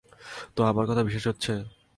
তো, আমার কথা বিশ্বাস হচ্ছে?